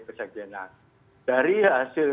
pesek jenat dari hasil